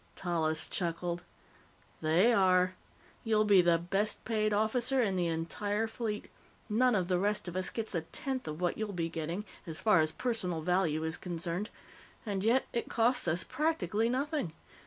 Tallis chuckled. "They are. You'll be the best paid officer in the entire fleet; none of the rest of us gets a tenth of what you'll be getting, as far as personal value is concerned. And yet, it costs us practically nothing.